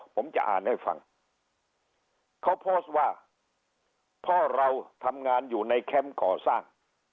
ผมจะอ่านให้ฟังเขาโพสต์ว่าพ่อเราทำงานอยู่ในแคมป์ก่อสร้าง